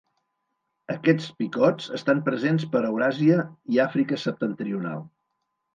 Aquests picots estan presents per Euràsia i Àfrica septentrional.